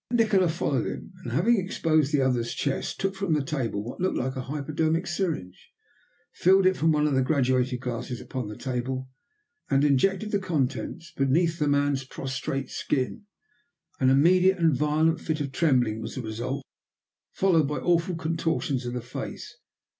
Nikola followed him, and having exposed the other's chest, took from the table what looked like a hypodermic syringe, filled it from one of the graduated glasses upon the table, and injected the contents beneath the prostrate man's skin. An immediate and violent fit of trembling was the result, followed by awful contortions of the face.